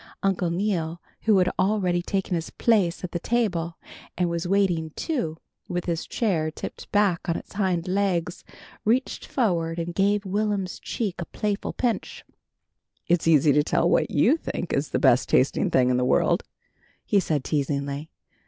Uncle Neal, who had already taken his place at the table, and was waiting too, with his chair tipped back on its hind legs, reached forward and gave Will'm's cheek a playful pinch. "It's easy to tell what you think is the best tasting thing in the world," he said teasingly.